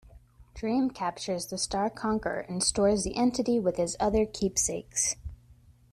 Dream captures the Star Conqueror and stores the entity with his other keepsakes.